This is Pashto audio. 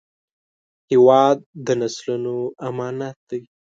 هېواد د نسلونو امانت دی